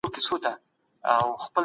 په خپلو پرېکړو کې له بیړې کار مه اخله.